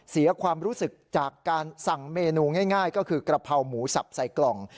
เสียความรู้สึกจากการสั่งเมนูง่ายก็คือกระเพราหมูสับใส่กล่อง